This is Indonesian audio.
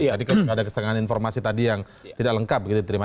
tadi ada kesenangan informasi tadi yang tidak lengkap begitu diterima